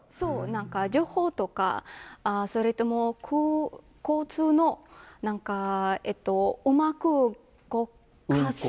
なんか情報とか、それと交通の、うまく動かす。